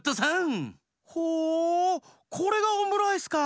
ほおこれがオムライスか。